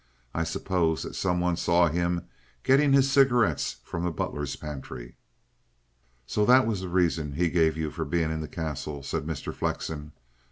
I suppose that some one saw him getting his cigarettes from the butler's pantry." "So that was the reason he gave you for being in the Castle," said Mr. Flexen.